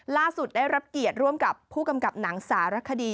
ล่าสุดได้รับเกียรติร่วมกับผู้กำกับหนังสารคดี